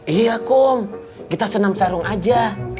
iya kom kita senam sarung aja